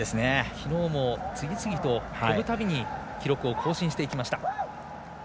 きのうも次々と跳ぶたびに記録を更新していきました。